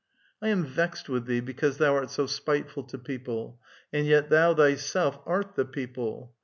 I am vext with thee because thou art so spiteful to people, and yet thou thyself art the people.